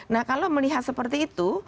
nah kalau melihat seperti itu